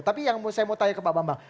tapi yang saya mau tanya ke pak bambang